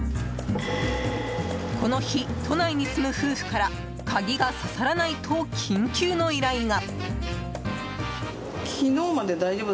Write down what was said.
この日、都内に住む夫婦から鍵がささらないと緊急の依頼が。